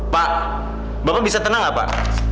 pak bapak bisa tenang nggak pak